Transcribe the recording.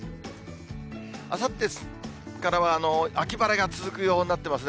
あさってからは秋晴れが続く予報になってますね。